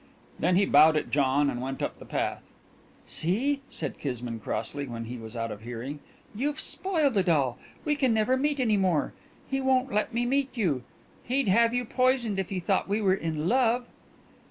Then he bowed at John and went up the path. "See?" said Kismine crossly, when he was out of hearing. "You've spoiled it all. We can never meet any more. He won't let me meet you. He'd have you poisoned if he thought we were in love."